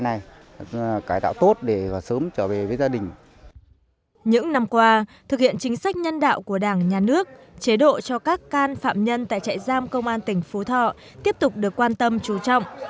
những năm qua thực hiện chính sách nhân đạo của đảng nhà nước chế độ cho các can phạm nhân tại trại giam công an tỉnh phú thọ tiếp tục được quan tâm trú trọng